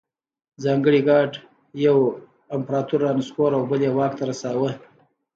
ځانګړي ګارډ یو امپرتور رانسکور او بل یې واک ته رساوه